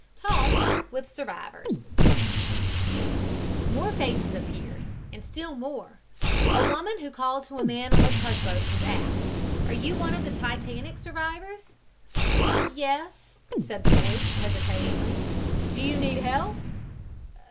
TALK WITH SURVIVORS More faces appeared, and still more. A woman who called to a man on the tugboat was asked? "Are you one the Titanic survivors?" "Yes," said the voice, hesitatingly. "Do you need help?"